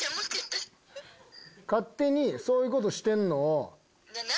勝手にそういうことしてんのを。